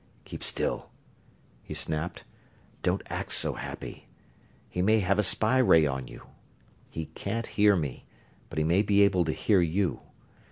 "Keep still!" he snapped. "Don't act so happy! He may have a spy ray on you. He can't hear me, but he may be able to hear you.